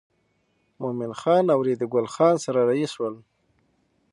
مومن خان او ریډي ګل خان سره رهي شول.